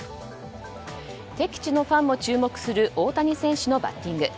敵地のファンも注目する大谷選手のバッティング。